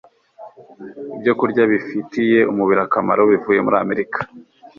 ibyokurya bifitiye umubiri akamaro bivuye muri Amerika